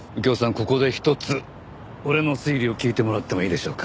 ここでひとつ俺の推理を聞いてもらってもいいでしょうか？